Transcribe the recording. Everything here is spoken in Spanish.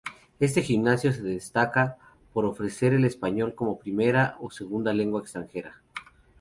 Este Gimnasio se destaca por ofrecer el español como primera o segunda lengua extranjera.